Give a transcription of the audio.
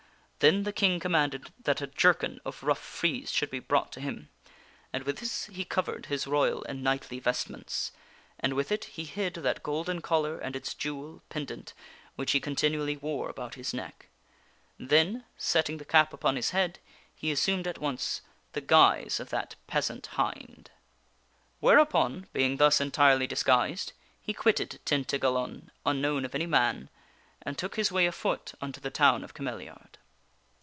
Then the King commanded that a jerkin of rough frieze should be brought to him, and with this he covered his royal and knightly vestments, and with it he KING ARTHUR COMES TO CAMELIARD 83 hid that golden collar and its jewel, pendent, which he continually wore about his neck. Then, setting the cup upon his head, he assumed at once the guise of that peasant hind. Whereupon, being thus entirely disguised, he quitted Tin King Arthur tagalon unknown of any man, and took his way a foot unto ^disgui^? " the town of Cameliard.